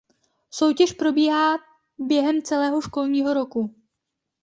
Soutěž probíhá během celého školního roku.